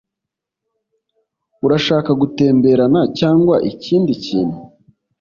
Urashaka gutemberana cyangwa ikindi kintu? (Legio)